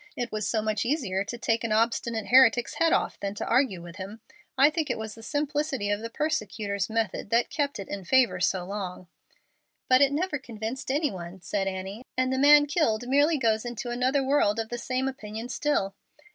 It was so much easier to take an obstinate heretic's head off than to argue with him! I think it was the simplicity of the persecutor's method that kept it in favor so long." "But it never convinced any one," said Annie, "and the man killed merely goes into another world of the same opinion still."